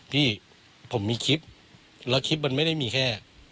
พี่ผมมีคลิปแล้วคลิปมันไม่ได้มีแค่